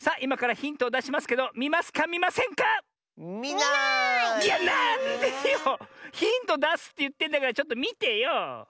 ヒントだすっていってんだからちょっとみてよ。